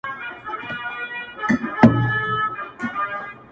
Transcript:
لاري لاري دي ختليقاسم یاره تر اسمانه,